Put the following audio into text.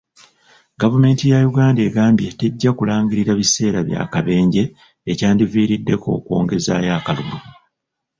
Gavumenti ya Uganda egambye tejja kulangirira biseera bya kabenje ekyandiviiriddeko okwongezaayo akalulu.